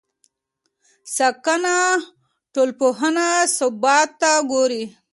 ساکنه ټولنپوهنه ثبات ته ګوري.